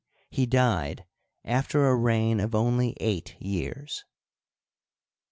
He died after a reign of only eight years.